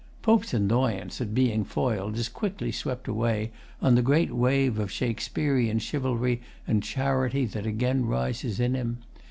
POPE'S annoyance at being foiled is quickly swept away on the great wave of Shakespearean chivalry and charity that again rises in him.